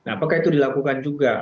apakah itu dilakukan juga